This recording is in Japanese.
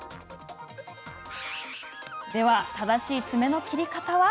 では、正しい爪の切り方は？